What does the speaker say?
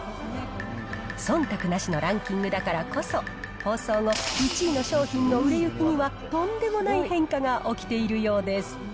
そんたくなしのランキングだからこそ、放送後、１位の商品の売れ行きにはとんでもない変化が起きているようです。